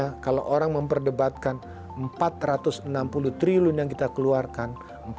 karena kalau orang memperdebatkan empat ratus enam puluh triliun yang kita keluarkan